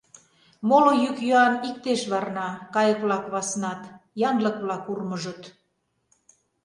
Моло йӱк-йӱан иктеш варна, кайык-влак васнат, янлык-влак урмыжыт.